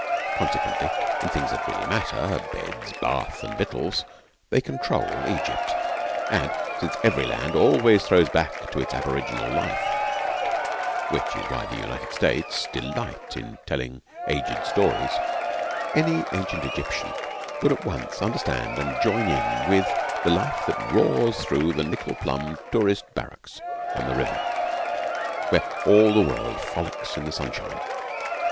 Consequently, in the things that really matter beds, baths, and victuals they control Egypt; and since every land always throws back to its aboriginal life (which is why the United States delight in telling aged stories), any ancient Egyptian would at once understand and join in with the life that roars through the nickel plumbed tourist barracks on the river, where all the world frolics in the sunshine.